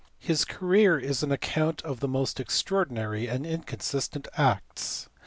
His career is an account of the most extraordinary and inconsistent acts.